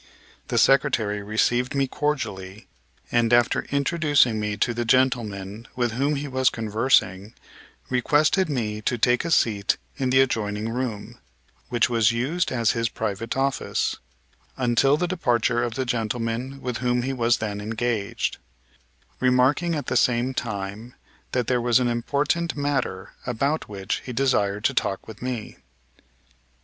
The Secretary received me cordially; and, after introducing me to the gentlemen with whom he was conversing, requested me to take a seat in the adjoining room, which was used as his private office, until the departure of the gentlemen with whom he was then engaged; remarking at the same time that there was an important matter about which he desired to talk with me.